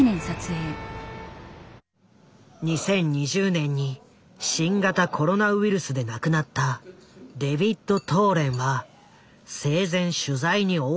２０２０年に新型コロナウイルスで亡くなったデヴィッド・トーレンは生前取材に応じてくれていた。